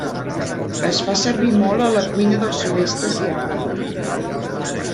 Es fa servir molt a la cuina del sud-est asiàtic.